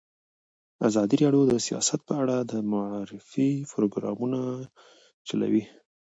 ازادي راډیو د سیاست په اړه د معارفې پروګرامونه چلولي.